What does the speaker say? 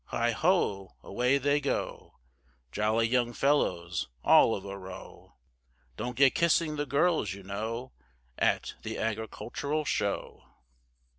Heigho! away they go, Jolly young fellows all of a row, Don't get kissing the girls you know, At the Agricultural Show.